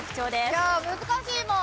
いや難しいもん！